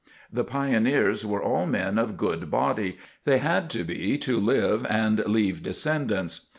The pioneers were all men of good body, they had to be to live and leave descendants.